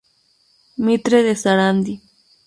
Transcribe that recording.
Mitre de Sarandí.